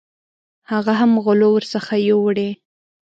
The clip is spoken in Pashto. هغه هم غلو ورڅخه یوړې.